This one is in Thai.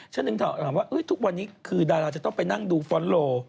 ฉันถึงถามว่าทุกวันนี้คือดาราจะต้องไปนั่งดูฟอนโล